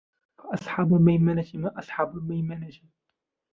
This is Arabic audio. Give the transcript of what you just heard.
فأصحاب الميمنة ما أصحاب الميمنة